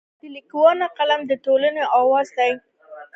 د لیکوال قلم د ټولنې اواز دی.